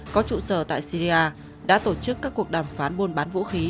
có trụ sở tại syria đã tổ chức các cuộc đàm phán buôn bán vũ khí